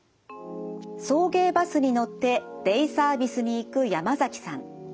送迎バスに乗ってデイサービスに行く山崎さん。